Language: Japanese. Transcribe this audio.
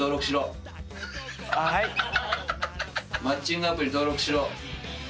マッチングアプリ登録しろ。